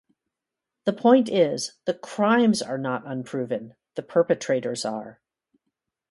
The point is, the crimes are not 'unproven'; the perpetrators are.